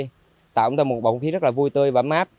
tạo cho chúng tôi một bộng khí rất là vui tươi và mát